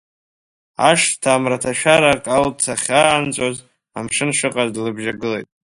Ашҭа амраҭашәара калҭ ахьаанҵәоз, амшын шыҟаз длыбжьагылеит.